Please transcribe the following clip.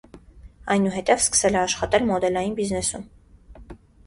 Այնուհետև սկսել է աշխատել մոդելային բիզնեսում։